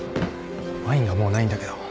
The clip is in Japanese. ワインがもうないんだけど。